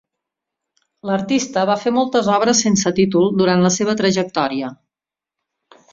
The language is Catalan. L'artista va fer moltes obres sense títol durant la seva trajectòria.